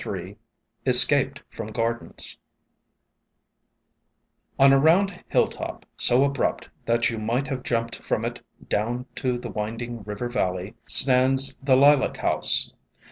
Ill "ESCAPED FROM GARDENS" ON a round hill top, so abrupt that you might have jumped from it down to the winding river valley, stands the Lilac House.